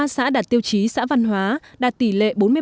một mươi ba xã đạt tiêu chí xã văn hóa đạt tỷ lệ bốn mươi ba